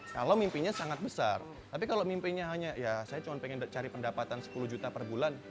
kalau mimpinya sangat besar tapi kalau mimpinya hanya ya saya cuma pengen cari pendapatan sepuluh juta per bulan